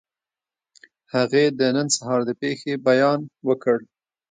هغې د نن سهار د پېښې بیان وکړ